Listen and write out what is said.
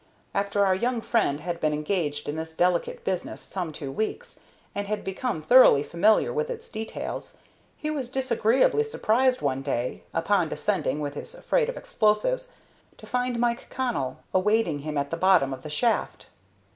After our young friend had been engaged in this delicate business some two weeks, and had become thoroughly familiar with its details, he was disagreeably surprised one day, upon descending with his freight of explosives, to find Mike Connell awaiting him at the bottom of the shaft.